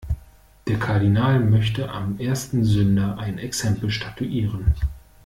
Der Kardinal möchte am ersten Sünder ein Exempel statuieren.